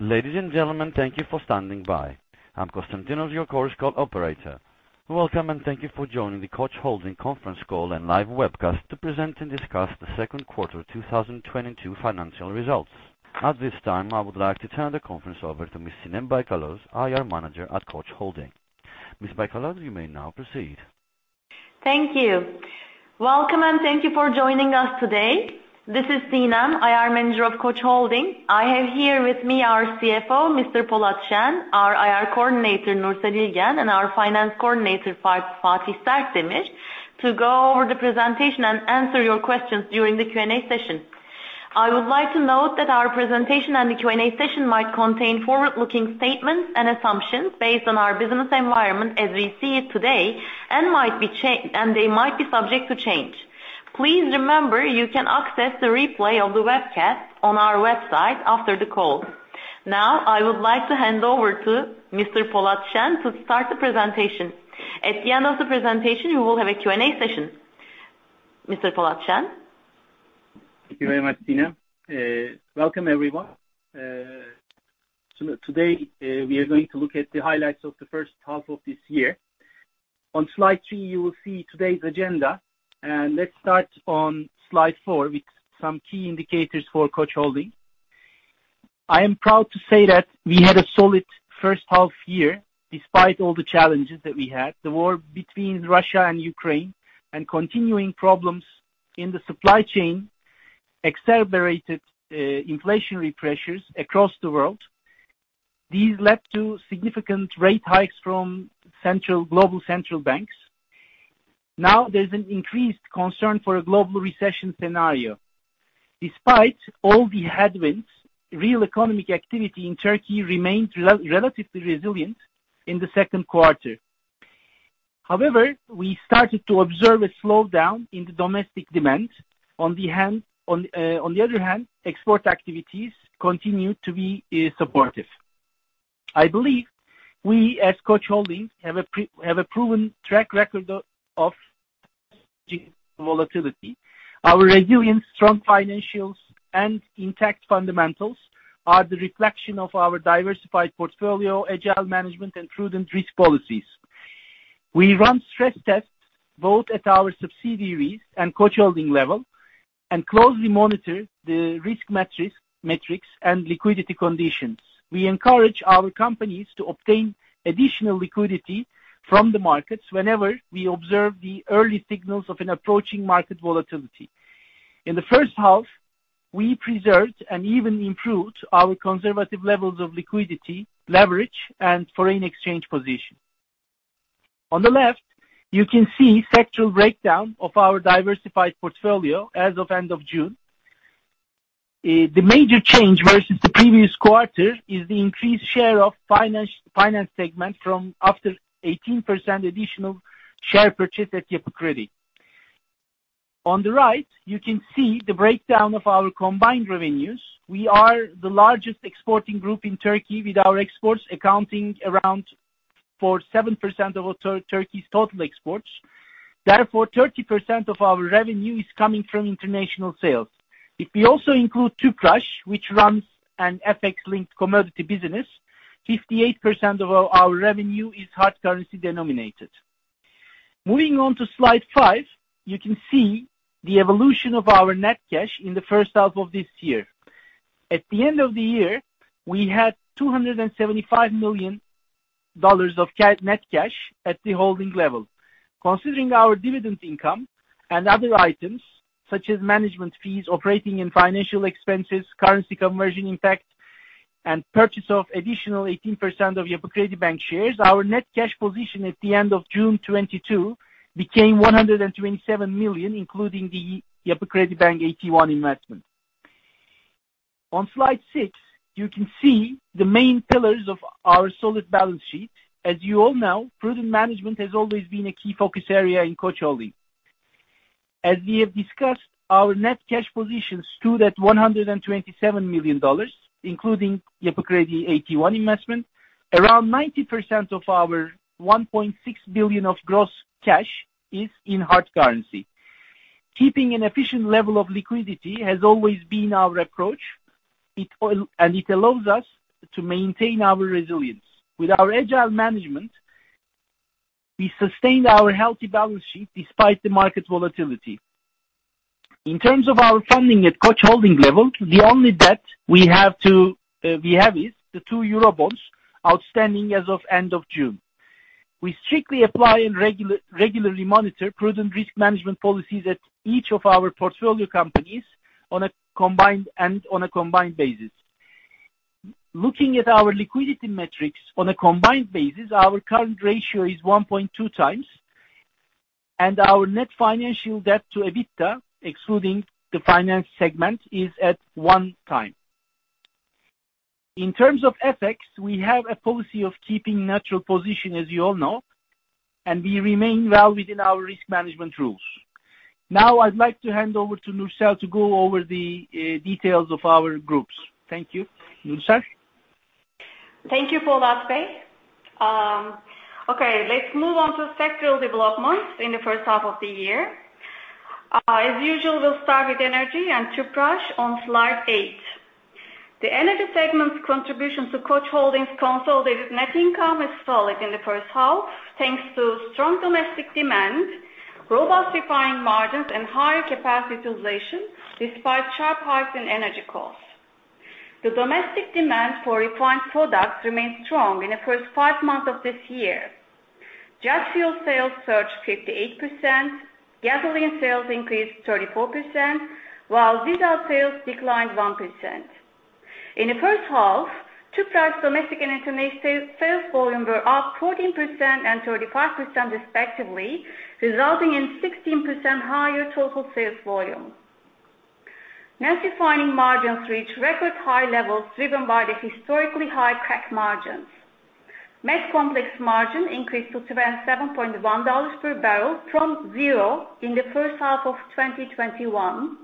Ladies and gentlemen, thank you for standing by. I'm Konstantinos, your conference call operator. Welcome, and thank you for joining the Koç Holding conference call and live webcast to present and discuss the second quarter 2022 financial results. At this time, I would like to turn the conference over to Ms. Sinem Baykaloz, IR Manager at Koç Holding. Ms. Baykaloz, you may now proceed. Thank you. Welcome, and thank you for joining us today. This is Sinem, IR Manager of Koç Holding. I have here with me our CFO, Mr. Polat Şen, our IR Coordinator, Nursel İlgen, and our Finance Coordinator, Fatih Sertemir, to go over the presentation and answer your questions during the Q&A session. I would like to note that our presentation and the Q&A session might contain forward-looking statements and assumptions based on our business environment as we see it today, and they might be subject to change. Please remember, you can access the replay of the webcast on our website after the call. Now, I would like to hand over to Mr. Polat Şen to start the presentation. At the end of the presentation, we will have a Q&A session. Mr. Polat Şen? Thank you very much, Sinem. Welcome, everyone. Today, we are going to look at the highlights of the first half of this year. On slide three, you will see today's agenda, and let's start on slide four with some key indicators for Koç Holding. I am proud to say that we had a solid first half year despite all the challenges that we had. The war between Russia and Ukraine and continuing problems in the supply chain accelerated inflationary pressures across the world. These led to significant rate hikes from global central banks. Now, there's an increased concern for a global recession scenario. Despite all the headwinds, real economic activity in Turkey remained relatively resilient in the second quarter. However, we started to observe a slowdown in the domestic demand. On the other hand, export activities continued to be supportive. I believe we, as Koç Holding, have a proven track record of managing volatility. Our resilience, strong financials, and intact fundamentals are the reflection of our diversified portfolio, agile management, and prudent risk policies. We run stress tests both at our subsidiaries and Koç Holding level and closely monitor the risk metrics and liquidity conditions. We encourage our companies to obtain additional liquidity from the markets whenever we observe the early signals of an approaching market volatility. In the first half, we preserved and even improved our conservative levels of liquidity, leverage, and foreign exchange position. On the left, you can see sectoral breakdown of our diversified portfolio as of end of June. The major change versus the previous quarter is the increased share of the finance segment from after 18% additional share purchase at Yapı Kredi. On the right, you can see the breakdown of our combined revenues. We are the largest exporting group in Turkey, with our exports accounting for around 7% of Turkey's total exports. Therefore, 30% of our revenue is coming from international sales. If we also include Tüpraş, which runs an FX-linked commodity business, 58% of our revenue is hard currency denominated. Moving on to slide five, you can see the evolution of our net cash in the first half of this year. At the end of the year, we had $275 million of net cash at the holding level. Considering our dividend income and other items such as management fees, operating and financial expenses, currency conversion impact, and purchase of additional 18% of Yapı Kredi Bank shares, our net cash position at the end of June 2022 became $127 million, including the Yapı Kredi Bank 18% investment. On slide six, you can see the main pillars of our solid balance sheet. As you all know, prudent management has always been a key focus area in Koç Holding. As we have discussed, our net cash position stood at $127 million, including Yapı Kredi 18% investment. Around 90% of our $1.6 billion of gross cash is in hard currency. Keeping an efficient level of liquidity has always been our approach, and it allows us to maintain our resilience. With our agile management, we sustained our healthy balance sheet despite the market volatility. In terms of our funding at Koç Holding level, the only debt we have is the two Eurobonds outstanding as of end of June. We strictly apply and regularly monitor prudent risk management policies at each of our portfolio companies and on a combined basis. Looking at our liquidity metrics on a combined basis, our current ratio is 1.2 times, and our net financial debt to EBITDA, excluding the finance segment, is at one time. In terms of FX, we have a policy of keeping natural position, as you all know, and we remain well within our risk management rules. Now, I'd like to hand over to Nursel to go over the details of our groups. Thank you, Nursel. Thank you, Polat Bey. Okay, let's move on to sectoral developments in the first half of the year. As usual, we'll start with energy and Tüpraş on slide eight. The energy segment's contribution to Koç Holding's consolidated net income is solid in the first half, thanks to strong domestic demand, robust refining margins, and higher capacity utilization despite sharp hikes in energy costs. The domestic demand for refined products remained strong in the first five months of this year. Jet fuel sales surged 58%, gasoline sales increased 34%, while diesel sales declined 1%. In the first half, Tüpraş's domestic and international sales volume were up 14% and 35% respectively, resulting in 16% higher total sales volume. Net refining margins reached record high levels driven by the historically high crack margins. Net complex margin increased to $27.1 per barrel from zero in the first half of 2021.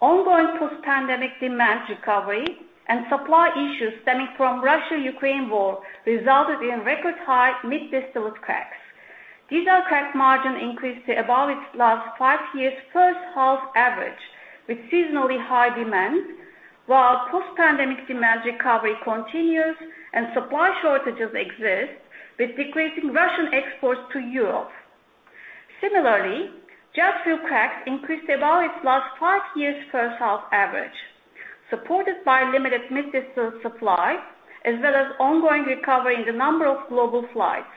Ongoing post-pandemic demand recovery and supply issues stemming from the Russia-Ukraine war resulted in record high mid-distillate cracks. Diesel crack margin increased to above its last five years' first half average with seasonally high demand, while post-pandemic demand recovery continues and supply shortages exist with decreasing Russian exports to Europe. Similarly, jet fuel cracks increased above its last five years' first half average, supported by limited mid-distillate supply as well as ongoing recovery in the number of global flights.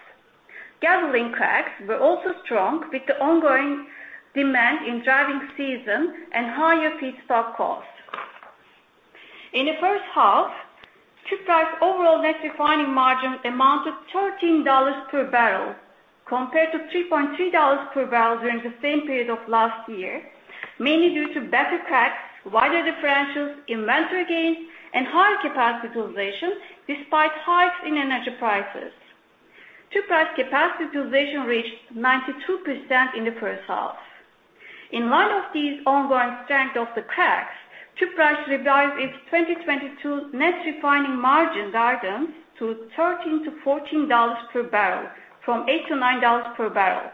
Gasoline cracks were also strong with the ongoing demand in driving season and higher feedstock costs. In the first half, Tüpraş's overall net refining margin amounted to $13 per barrel, compared to $3.3 per barrel during the same period of last year, mainly due to better cracks, wider differentials, inventory gains, and higher capacity utilization despite hikes in energy prices. Tüpraş's capacity utilization reached 92% in the first half. In light of these ongoing strength of the cracks, Tüpraş revised its 2022 net refining margin guidance to $13-$14 per barrel, from $8-$9 per barrel.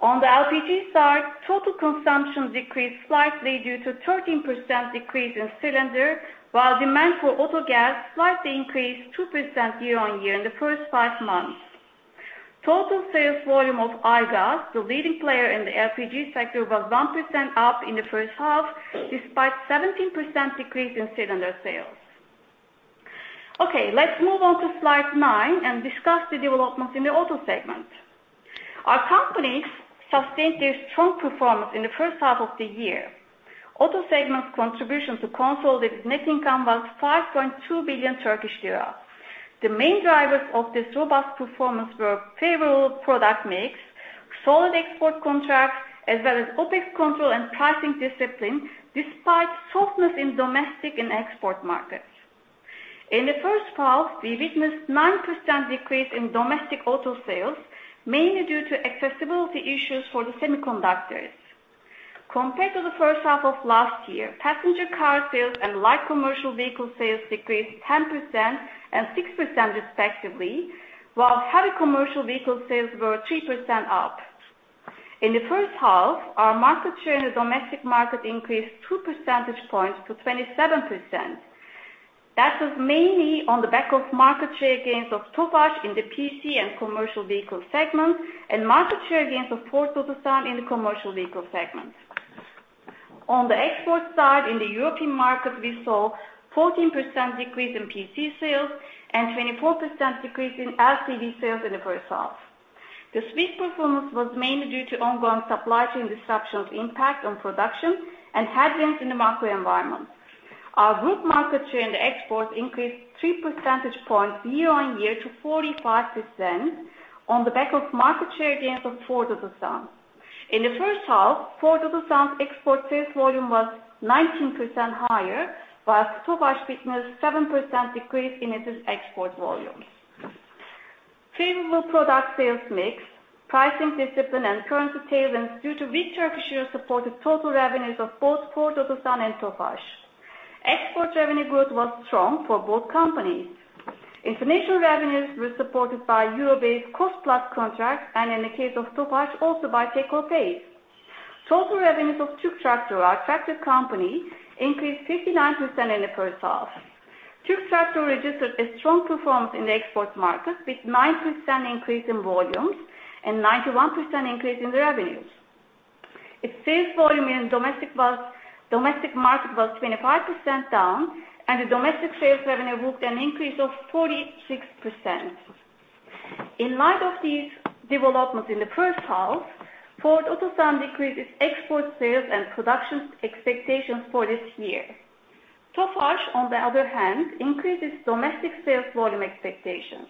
On the LPG side, total consumption decreased slightly due to a 13% decrease in cylinder, while demand for auto gas slightly increased 2% year on year in the first five months. Total sales volume of Aygaz, the leading player in the LPG sector, was 1% up in the first half despite a 17% decrease in cylinder sales. Okay, let's move on to slide nine and discuss the developments in the auto segment. Our companies sustained their strong performance in the first half of the year. Auto segment's contribution to consolidated net income was 5.2 billion Turkish lira. The main drivers of this robust performance were favorable product mix, solid export contracts, as well as OpEx control and pricing discipline despite softness in domestic and export markets. In the first half, we witnessed a 9% decrease in domestic auto sales, mainly due to accessibility issues for the semiconductors. Compared to the first half of last year, passenger car sales and light commercial vehicle sales decreased 10% and 6% respectively, while heavy commercial vehicle sales were 3% up. In the first half, our market share in the domestic market increased 2 percentage points to 27%. That was mainly on the back of market share gains of Tofaş in the PC and commercial vehicle segment and market share gains of Ford Otosan in the commercial vehicle segment. On the export side, in the European market, we saw a 14% decrease in PC sales and a 24% decrease in LCV sales in the first half. The such performance was mainly due to ongoing supply chain disruptions, impact on production, and headwinds in the macro environment. Our group market share in the exports increased 3 percentage points year on year to 45% on the back of market share gains of Ford Otosan. In the first half, Ford Otosan's export sales volume was 19% higher, while Tofaş witnessed a 7% decrease in its export volumes. Favorable product sales mix, pricing discipline, and currency tailwinds due to weak Turkish lira supported total revenues of both Ford Otosan and Tofaş. Export revenue growth was strong for both companies. International revenues were supported by Euro-denominated cost-plus contracts and, in the case of Tofaş, also by take-or-pay. Total revenues of Türk Traktör, our tractor company, increased 59% in the first half. Türk Traktör registered a strong performance in the export market with a 9% increase in volumes and a 91% increase in revenues. Its sales volume in the domestic market was 25% down, and the domestic sales revenue booked an increase of 46%. In light of these developments in the first half, Ford Otosan decreased its export sales and production expectations for this year. Tofaş, on the other hand, increased its domestic sales volume expectations.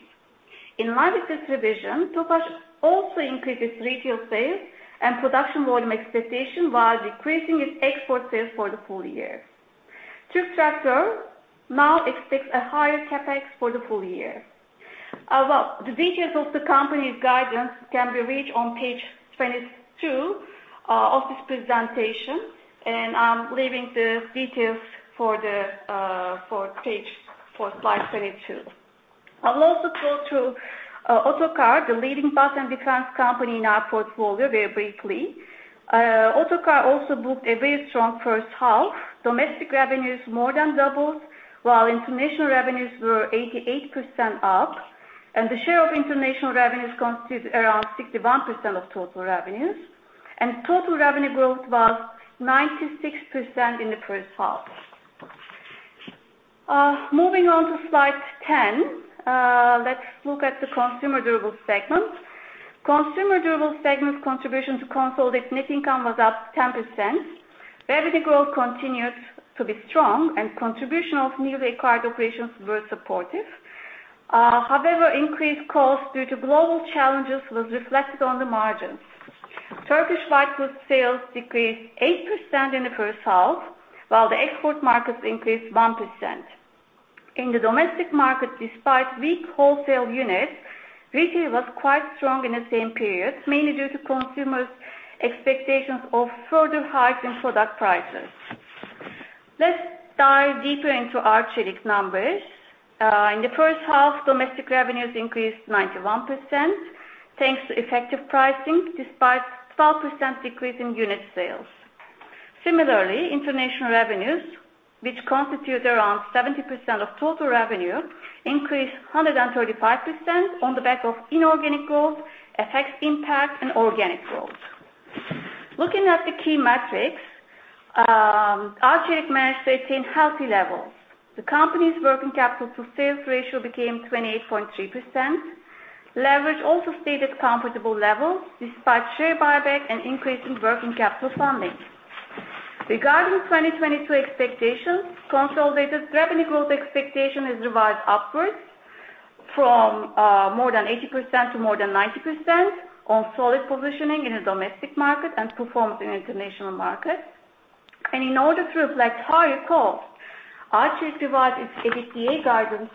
In line with this revision, Tofaş also increased its retail sales and production volume expectations while decreasing its export sales for the full year. Türk Traktör now expects a higher CapEx for the full year. The details of the company's guidance can be reached on page 22 of this presentation, and I'm leaving the details for page 22 for slide 22. I'll also go through Otokar, the leading bus and defense company in our portfolio, very briefly. Otokar also booked a very strong first half. Domestic revenues more than doubled, while international revenues were 88% up, and the share of international revenues constituted around 61% of total revenues, and total revenue growth was 96% in the first half. Moving on to slide 10, let's look at the consumer durables segment. Consumer durables segment contribution to consolidated net income was up 10%. Revenue growth continued to be strong, and contribution of newly acquired operations was supportive. However, increased costs due to global challenges were reflected on the margins. Turkish white goods sales decreased 8% in the first half, while the export markets increased 1%. In the domestic market, despite weak wholesale units, retail was quite strong in the same period, mainly due to consumers' expectations of further hikes in product prices. Let's dive deeper into our Arçelik numbers. In the first half, domestic revenues increased 91% thanks to effective pricing despite a 12% decrease in unit sales. Similarly, international revenues, which constitute around 70% of total revenue, increased 135% on the back of inorganic growth, FX impact, and organic growth. Looking at the key metrics, our Arçelik managed to attain healthy levels. The company's working capital-to-sales ratio became 28.3%. Leverage also stayed at comfortable levels despite share buyback and increase in working capital funding. Regarding 2022 expectations, consolidated revenue growth expectation has revised upwards from more than 80% to more than 90% on solid positioning in the domestic market and performance in international markets. And in order to reflect higher costs, our Arçelik revised its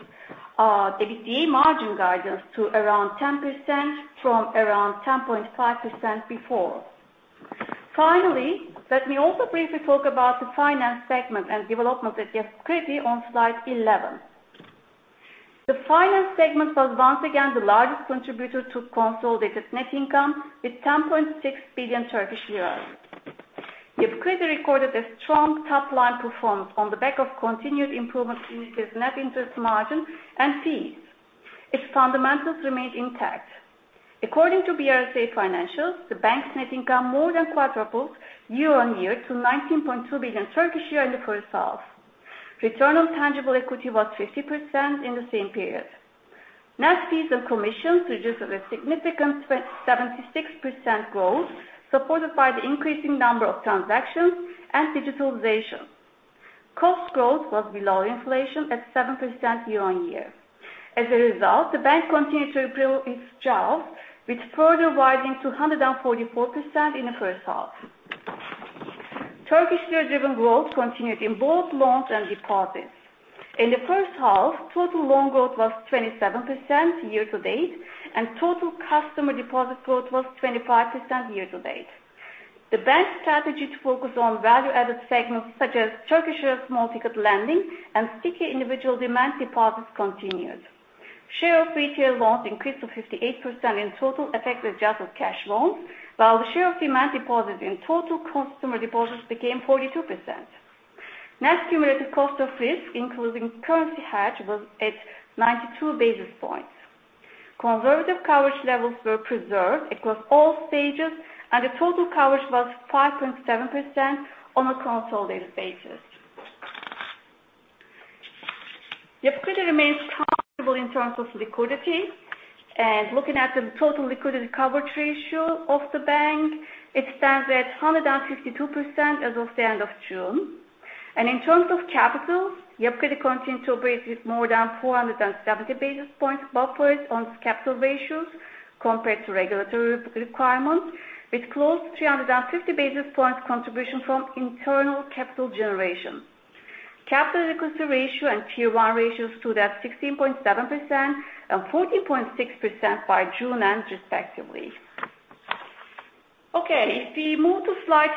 EBITDA margin guidance to around 10% from around 10.5% before. Finally, let me also briefly talk about the finance segment and developments at Yapı Kredi on slide 11. The finance segment was once again the largest contributor to consolidated net income with 10.6 billion Turkish lira. Yapı Kredi recorded a strong top-line performance on the back of continued improvements in its net interest margin and fees. Its fundamentals remained intact. According to BRSA Financials, the bank's net income more than quadrupled year on year to 19.2 billion in the first half. Return on tangible equity was 50% in the same period. Net fees and commissions produced a significant 76% growth, supported by the increasing number of transactions and digitalization. Cost growth was below inflation at 7% year on year. As a result, the bank continued to improve its jaws, with further widening to 144% in the first half. Turkish lira-driven growth continued in both loans and deposits. In the first half, total loan growth was 27% year to date, and total customer deposit growth was 25% year to date. The bank's strategy to focus on value-added segments such as Turkish lira small ticket lending and sticky individual demand deposits continued. Share of retail loans increased to 58% in total, FX adjusted cash loans, while the share of demand deposits in total consumer deposits became 42%. Net cumulative cost of risk, including currency hedge, was at 92 basis points. Conservative coverage levels were preserved across all stages, and the total coverage was 5.7% on a consolidated basis. Yapı Kredi remains comparable in terms of liquidity, and looking at the total liquidity coverage ratio of the bank, it stands at 152% as of the end of June. In terms of capital, Yapı Kredi continued to operate with more than 470 basis points buffers on its capital ratios compared to regulatory requirements, with close to 350 basis points contribution from internal capital generation. Capital Adequacy Ratio and Tier 1 ratios stood at 16.7% and 14.6% by June end, respectively. Okay, if we move to slide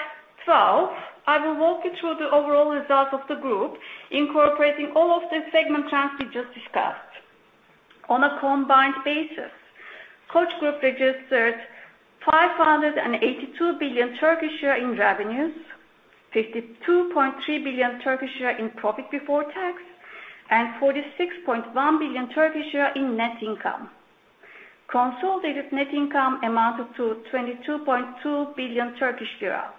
12, I will walk you through the overall results of the group, incorporating all of the segment trends we just discussed. On a combined basis, Koç Group registered 582 billion in revenues, 52.3 billion in profit before tax, and 46.1 billion in net income. Consolidated net income amounted to 22.2 billion Turkish lira.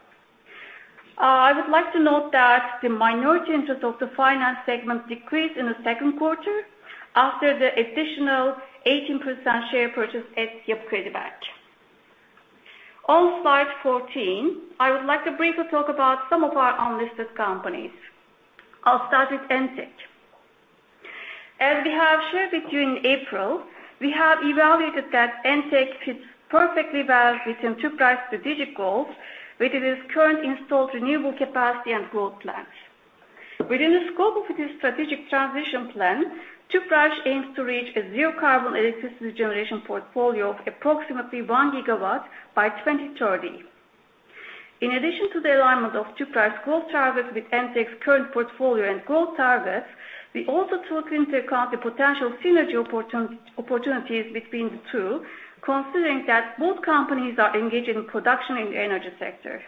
I would like to note that the minority interest of the finance segment decreased in the second quarter after the additional 18% share purchase at Yapı Kredi Bank. On slide 14, I would like to briefly talk about some of our unlisted companies. I'll start with Entek. As we have shared with you in April, we have evaluated that Entek fits perfectly well within Tüpraş's strategic goals within its current installed renewable capacity and growth plans. Within the scope of its strategic transition plan, Tüpraş aims to reach a zero-carbon electricity generation portfolio of approximately 1 gigawatt by 2030. In addition to the alignment of Tüpraş's growth targets with Entek's current portfolio and growth targets, we also took into account the potential synergy opportunities between the two, considering that both companies are engaged in production in the energy sector.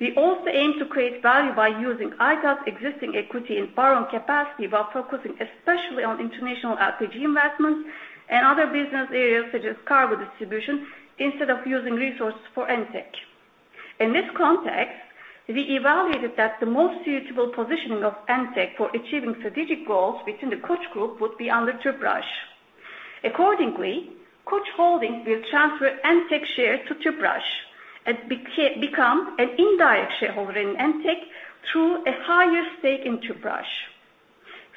We also aim to create value by using Aygaz existing equity and borrowing capacity while focusing especially on international LPG investments and other business areas such as cargo distribution instead of using resources for Entek. In this context, we evaluated that the most suitable positioning of Entek for achieving strategic goals within the Koç Group would be under Tüpraş. Accordingly, Koç Holding will transfer Entek shares to Tüpraş and become an indirect shareholder in Entek through a higher stake in Tüpraş.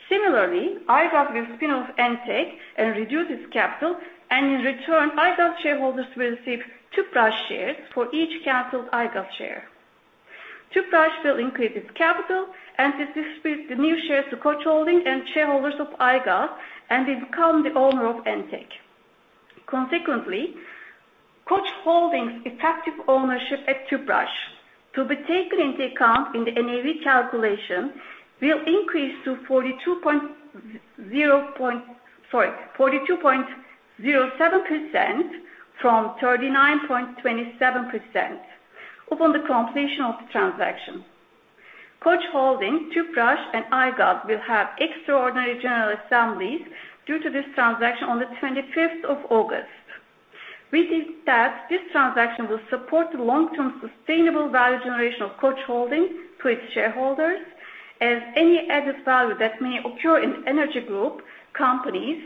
Similarly, Aygaz will spin off Entek and reduce its capital, and in return, Aygaz shareholders will receive Tüpraş shares for each canceled Aygaz share. Tüpraş will increase its capital and distribute the new shares to Koç Holding and shareholders of Aygaz, and they become the owner of Entek. Consequently, Koç Holding's effective ownership at Tüpraş, to be taken into account in the NAV calculation, will increase to 42.07% from 39.27% upon the completion of the transaction. Koç Holding, Tüpraş, and Aygaz will have extraordinary general assemblies due to this transaction on the 25th of August. We think that this transaction will support the long-term sustainable value generation of Koç Holding to its shareholders. As any added value that may occur in energy group companies,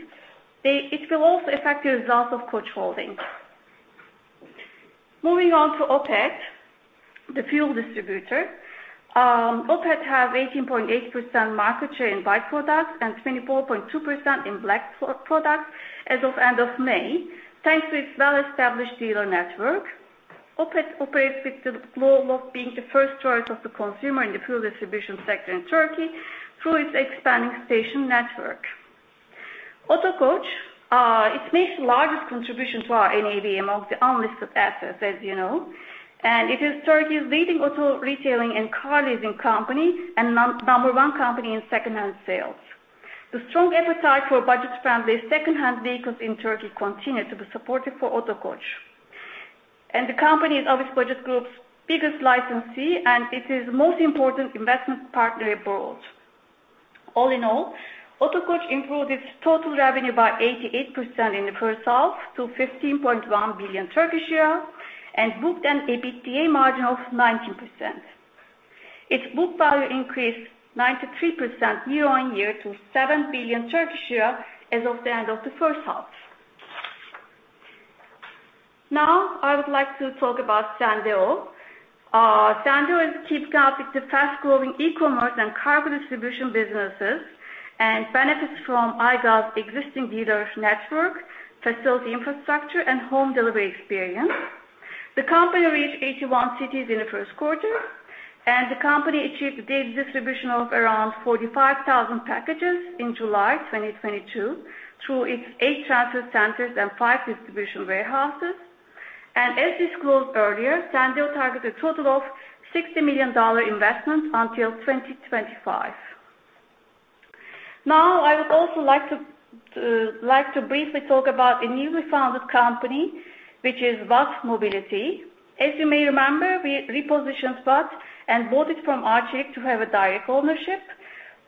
it will also affect the results of Koç Holding. Moving on to Opet, the fuel distributor. Opet has 18.8% market share in gasoline products and 24.2% in diesel products as of end of May, thanks to its well-established dealer network. Opet operates with the goal of being the first choice of the consumer in the fuel distribution sector in Turkey through its expanding station network. Otokoç, it makes the largest contribution to our NAV among the unlisted assets, as you know, and it is Turkey's leading auto retailing and car leasing company and number one company in second-hand sales. The strong appetite for budget-friendly second-hand vehicles in Turkey continues to be supportive for Otokoç. The company is Avis Budget Group's biggest licensee, and it is the most important investment partner abroad. All in all, Otokoç improved its total revenue by 88% in the first half to TRY 15.1 billion and booked an EBITDA margin of 19%. Its book value increased 93% year on year to TRY 7 billion as of the end of the first half. Now, I would like to talk about Sendeo. Sendeo is keeping up with the fast-growing e-commerce and cargo distribution businesses and benefits from Aygaz's existing dealer network, facility infrastructure, and home delivery experience. The company reached 81 cities in the first quarter, and the company achieved a daily distribution of around 45,000 packages in July 2022 through its eight transfer centers and five distribution warehouses. As disclosed earlier, Sendeo targeted a total of $60 million investment until 2025. Now, I would also like to briefly talk about a newly founded company, which is WAT Mobility. As you may remember, we repositioned WAT and bought it from our Arçelik to have a direct ownership.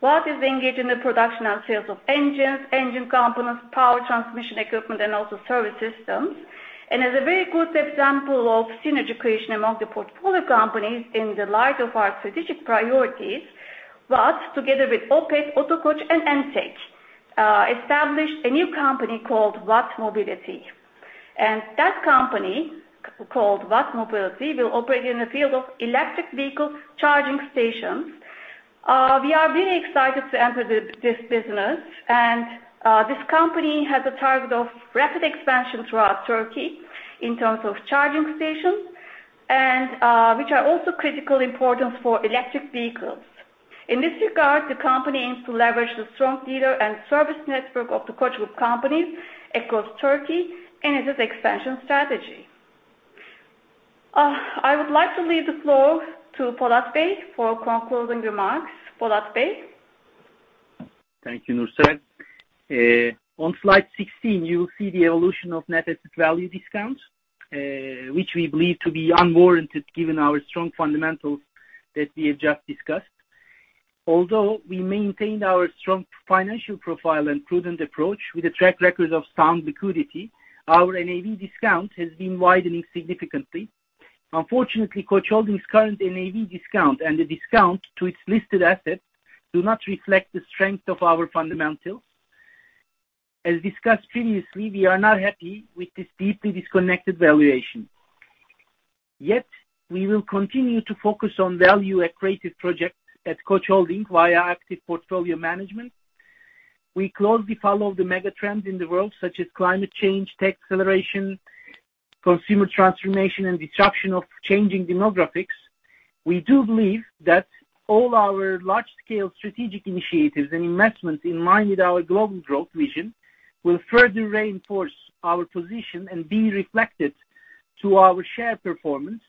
WAT is engaged in the production and sales of engines, engine components, power transmission equipment, and also service systems, and as a very good example of synergy creation among the portfolio companies in the light of our strategic priorities, WAT, together with Opet, Otokoç, and Entek, established a new company called WAT Mobility, and that company called WAT Mobility will operate in the field of electric vehicle charging stations. We are very excited to enter this business, and this company has a target of rapid expansion throughout Turkey in terms of charging stations, which are also critical importance for electric vehicles. In this regard, the company aims to leverage the strong dealer and service network of the Koç Group companies across Turkey in its expansion strategy. I would like to leave the floor to Polat Bey for concluding remarks. Polat Bey. Thank you, Nursel. On slide 16, you'll see the evolution of net asset value discount, which we believe to be unwarranted given our strong fundamentals that we have just discussed. Although we maintained our strong financial profile and prudent approach with a track record of sound liquidity, our NAV discount has been widening significantly. Unfortunately, Koç Holding's current NAV discount and the discount to its listed assets do not reflect the strength of our fundamentals. As discussed previously, we are not happy with this deeply disconnected valuation. Yet, we will continue to focus on value-accretive projects at Koç Holding via active portfolio management. We closely follow the megatrends in the world, such as climate change, tech acceleration, consumer transformation, and disruption of changing demographics. We do believe that all our large-scale strategic initiatives and investments in line with our global growth vision will further reinforce our position and be reflected to our share performance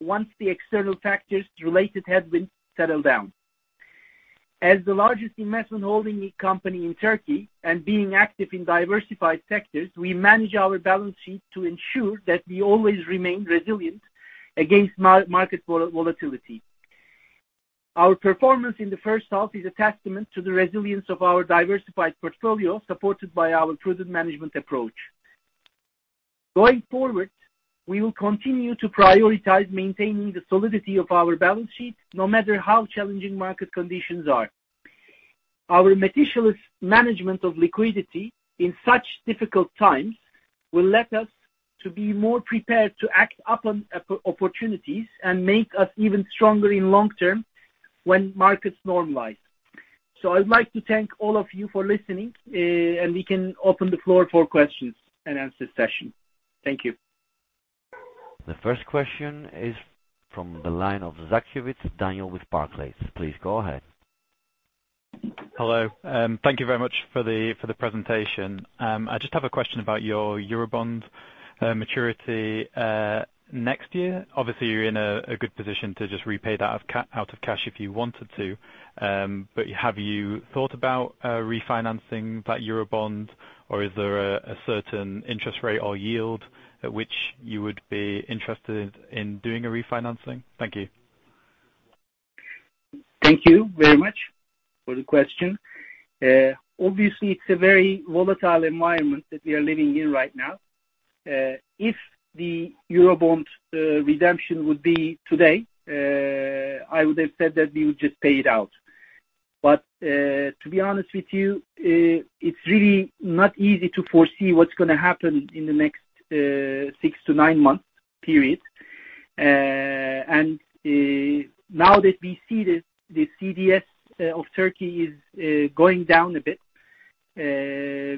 once the external factors related headwinds settle down. As the largest investment holding company in Turkey and being active in diversified sectors, we manage our balance sheet to ensure that we always remain resilient against market volatility. Our performance in the first half is a testament to the resilience of our diversified portfolio supported by our prudent management approach. Going forward, we will continue to prioritize maintaining the solidity of our balance sheet no matter how challenging market conditions are. Our meticulous management of liquidity in such difficult times will let us be more prepared to act upon opportunities and make us even stronger in long term when markets normalize. So I would like to thank all of you for listening, and we can open the floor for questions and answer session. Thank you. The first question is from the line of Zakir Rabbani with Barclays. Please go ahead. Hello. Thank you very much for the presentation. I just have a question about your Eurobond maturity next year. Obviously, you're in a good position to just repay that out of cash if you wanted to, but have you thought about refinancing that Eurobond, or is there a certain interest rate or yield at which you would be interested in doing a refinancing? Thank you. Thank you very much for the question. Obviously, it's a very volatile environment that we are living in right now. If the Eurobond redemption would be today, I would have said that we would just pay it out. But to be honest with you, it's really not easy to foresee what's going to happen in the next six to nine months period. And now that we see the CDS of Turkey is going down a bit,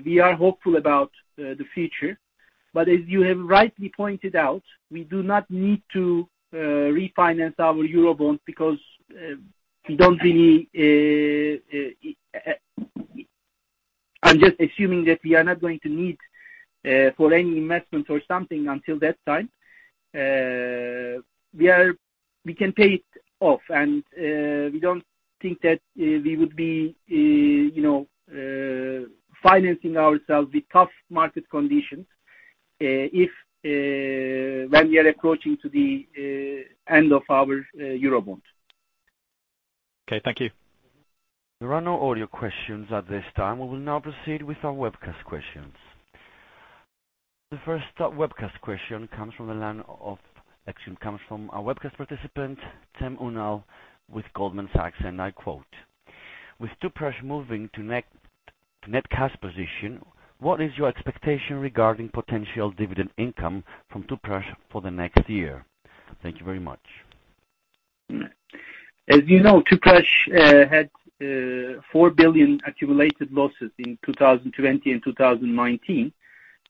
we are hopeful about the future. But as you have rightly pointed out, we do not need to refinance our Eurobond because we don't really, I'm just assuming that we are not going to need for any investment or something until that time. We can pay it off, and we don't think that we would be financing ourselves with tough market conditions when we are approaching to the end of our Eurobond. Okay. Thank you. There are no audio questions at this time. We will now proceed with our webcast questions. The first webcast question comes from the line of, actually comes from our webcast participant, Timur Ünallı with Goldman Sachs, and I quote, "With Tüpraş moving to net cash position, what is your expectation regarding potential dividend income from Tüpraş for the next year?" Thank you very much. As you know, Tüpraş had four billion accumulated losses in 2020 and 2019,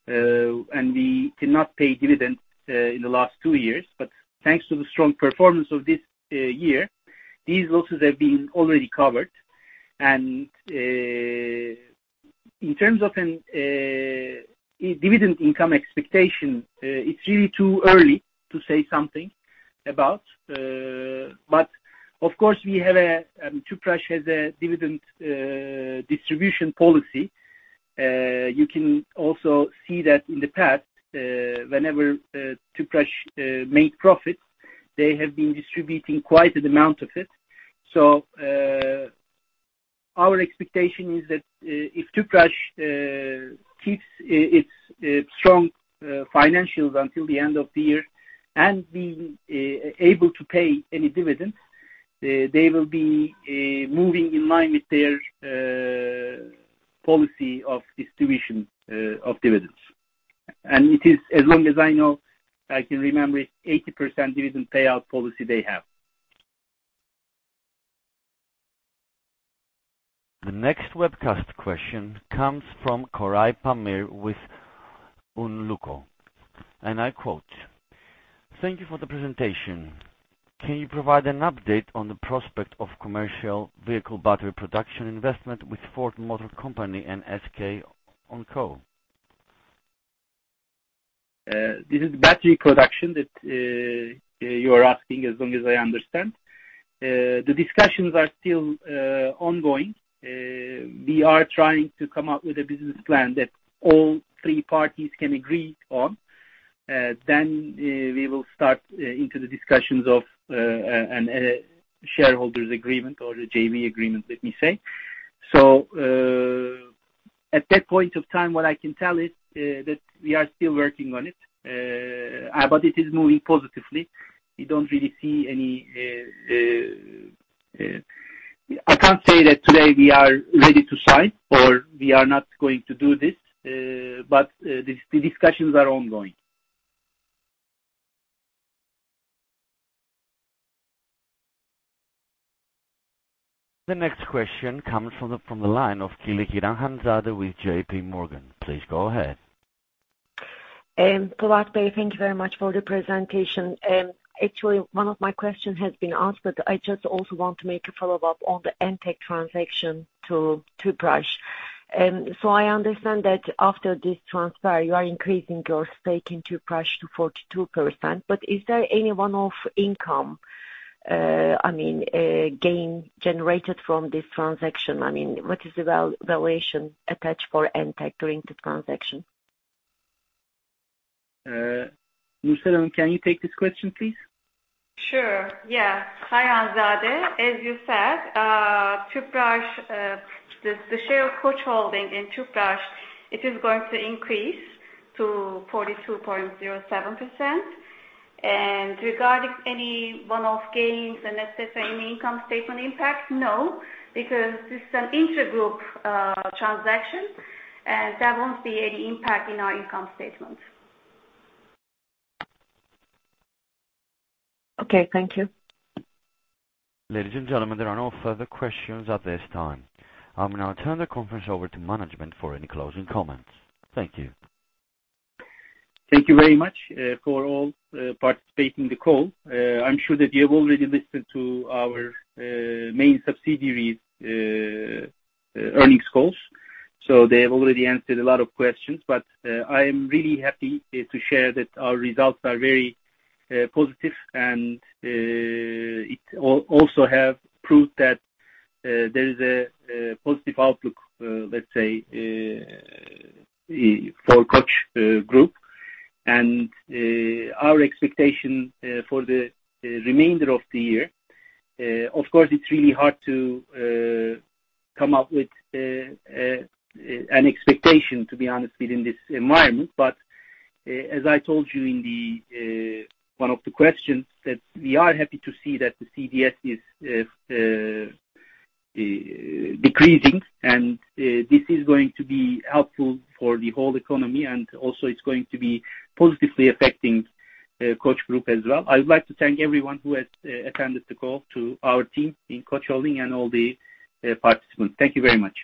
and we cannot pay dividends in the last two years, but thanks to the strong performance of this year, these losses have been already covered, and in terms of dividend income expectation, it's really too early to say something about, but of course, we have a, Tüpraş has a dividend distribution policy. You can also see that in the past, whenever Tüpraş made profits, they have been distributing quite an amount of it. So our expectation is that if Tüpraş keeps its strong financials until the end of the year and being able to pay any dividends, they will be moving in line with their policy of distribution of dividends. And it is, as long as I know, I can remember, it's 80% dividend payout policy they have. The next webcast question comes from Koray Pamir with Ünlü & Co, and I quote, "Thank you for the presentation. Can you provide an update on the prospect of commercial vehicle battery production investment with Ford Motor Company and SK On?" This is battery production that you are asking, as long as I understand. The discussions are still ongoing. We are trying to come up with a business plan that all three parties can agree on. Then we will start into the discussions of a shareholders' agreement or a JV agreement, let me say. So at that point of time, what I can tell is that we are still working on it, but it is moving positively. We don't really see any. I can't say that today we are ready to sign or we are not going to do this, but the discussions are ongoing. The next question comes from the line of Hanzade Kılıçkıran with J.P. Morgan. Please go ahead. Polat Bey, thank you very much for the presentation. Actually, one of my questions has been asked, but I just also want to make a follow-up on the Entek transaction to Tüpraş. So I understand that after this transfer, you are increasing your stake in Tüpraş to 42%. But is there any one-off income, I mean, gain generated from this transaction? I mean, what is the valuation attached for Entek during the transaction? Nursel, can you take this question, please? Sure. Yeah. Hi, Hanzade. As you said, Tüpraş, the share of Koç Holding in Tüpraş, it is going to increase to 42.07%. And regarding any one-off gains and etc., any income statement impact? No, because this is an intergroup transaction, and there won't be any impact in our income statement. Okay. Thank you. Ladies and gentlemen, there are no further questions at this time. I'm going to turn the conference over to management for any closing comments. Thank you. Thank you very much for all participating in the call. I'm sure that you have already listened to our main subsidiary's earnings calls, so they have already answered a lot of questions, but I am really happy to share that our results are very positive, and it also has proved that there is a positive outlook, let's say, for Koç Group, and our expectation for the remainder of the year, of course, it's really hard to come up with an expectation, to be honest, within this environment, but as I told you in one of the questions, that we are happy to see that the CDS is decreasing, and this is going to be helpful for the whole economy, and also it's going to be positively affecting Koç Group as well. I would like to thank everyone who has attended the call, to our team in Koç Holding and all the participants. Thank you very much.